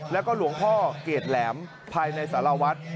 แล้วก็หลวงพ่อเกรดแหลมภายในสารวัฒน์